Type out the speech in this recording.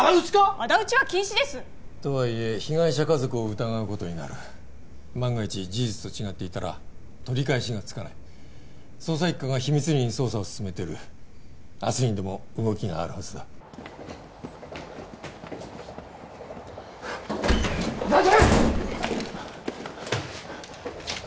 あだ討ちは禁止です！とはいえ被害者家族を疑うことになる万が一事実と違っていたら取り返しがつかない捜査一課が秘密裏に捜査を進めてる明日にでも動きがあるはずだ安達！